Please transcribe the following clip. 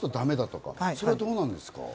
それはどうなんですか？